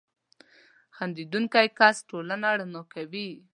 • خندېدونکی کس ټولنه رڼا کوي.